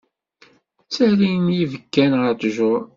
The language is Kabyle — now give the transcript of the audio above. Ttalin yibekkan ar ṭṭjuṛ.